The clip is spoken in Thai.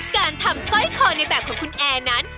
การทำสร้อยคอในแบบของคุณแอร์นั้น